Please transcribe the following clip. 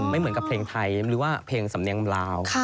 ไม่เหมือนกับเพลงไทยหรือว่าเพลงสำเนียงลาว